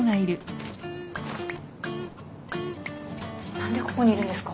何でここにいるんですか？